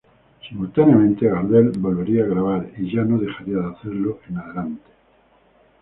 Simultáneamente Gardel volvería a grabar y ya no dejaría de hacerlo en adelante.